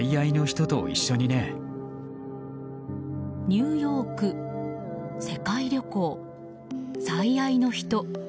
ニューヨーク世界旅行、最愛の人。